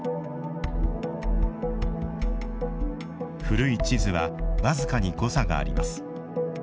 古い地図は僅かに誤差があります。